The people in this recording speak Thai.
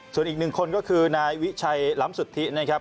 ส่วนอีกหนึ่งคนก็คือนายวิชัยล้ำสุทธินะครับ